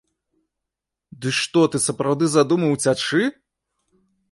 Ды што ты сапраўды задумаў уцячы?!